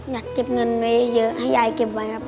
อยากเก็บเงินไว้เยอะให้ยายเก็บไว้ครับ